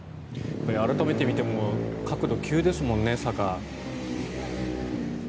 改めて見ても角度、急ですもんね、坂。